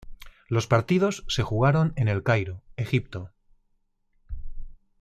Los partidos se jugaron en El Cairo, Egipto.